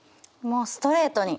もうストレートに。